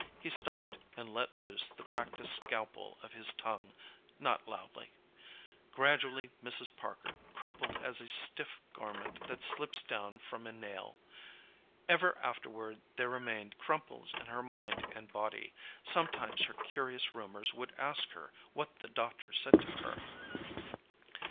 He stopped and let loose the practised scalpel of his tongue, not loudly. Gradually Mrs. Parker crumpled as a stiff garment that slips down from a nail. Ever afterward there remained crumples in her mind and body. Sometimes her curious roomers would ask her what the doctor said to her.